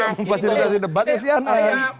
jadi kamu memfasilitasi debat ya si andai